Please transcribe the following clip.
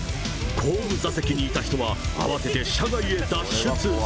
後部座席にいた人は、慌てて車外へ脱出。